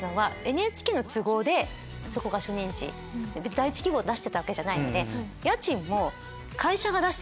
第１希望出してたわけじゃないので。